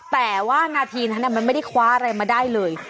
แต่ว่านาทีนั้นมันไม่ได้คว้าอะไรมาได้เลย